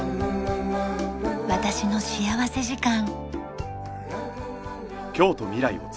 『私の幸福時間』。